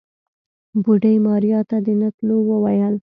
بوډۍ ماريا ته د نه تلو وويل.